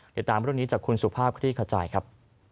เดี๋ยวตามเรื่องนี้จากคุณสุภาพคลี่ขจายครับ